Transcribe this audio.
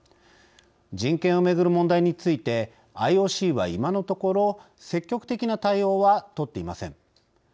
人権をめぐる問題についてＩＯＣは今のところ積極的な対応は取っていません。